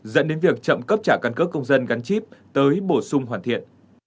dẫn đến việc chậm cấp trả căn cước công dân gắn chip tới bổ sung hoàn thiện